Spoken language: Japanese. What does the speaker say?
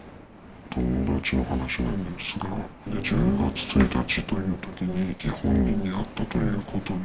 友達の話なんですが、１０月１日というときに、本人に会ったということで。